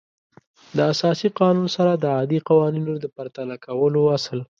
د اساسي قانون سره د عادي قوانینو د پرتله کولو اصل